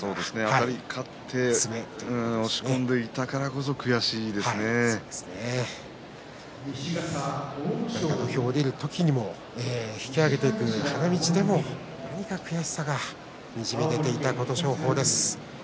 あたり勝って押し込んでいったからこそ土俵を下りる時も引き揚げていく花道でも悔しさがにじみ出ていた琴勝峰です。